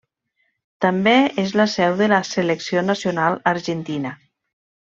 També és la seu de la selecció nacional argentina.